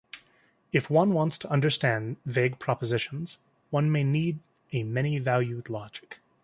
If one wants to understand vague propositions, one may need a many-valued logic.